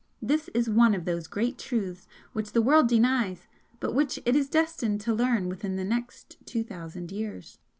This is one of those great Truths which the world denies, but which it is destined to learn within the next two thousand years.